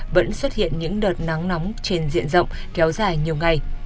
vẫn xuất hiện những đợt nắng nóng trên diện rộng kéo dài nhiều ngày